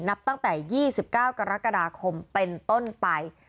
นับตั้งแต่๒๙กรกฎาคมเป็นต้นไป